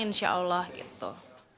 itulah yang saya inginkan